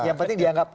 yang penting dianggap